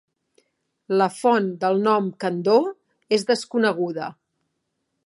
La font del nom "Candor" és desconeguda.